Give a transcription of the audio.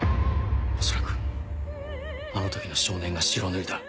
恐らくあの時の少年が白塗りだ。